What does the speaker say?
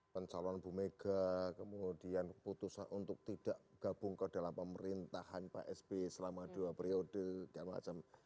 pencalon bu mega kemudian keputusan untuk tidak gabung ke dalam pemerintahan pak sby selama dua periode dan macam